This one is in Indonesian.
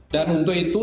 dan untuk itu